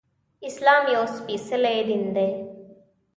اسلام يو سپيڅلی دين دی